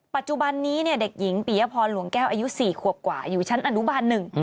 ปัจจุบันนี้เด็กหญิงปียพรหลวงแก้วอายุ๔ขวบกว่าอยู่ชั้นอนุบาล๑